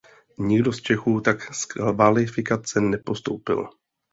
Nikdo z Čechů tak z kvalifikace nepostoupil.